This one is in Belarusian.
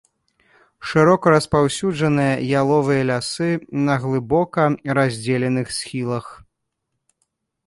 Шырока распаўсюджаныя яловыя лясы на глыбока раздзеленых схілах.